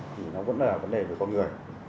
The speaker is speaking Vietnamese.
thì nó vẫn là vấn đề về con người